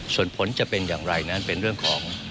ส่วนผลจะเป็นอย่างไรนั้นเป็นเรื่องของ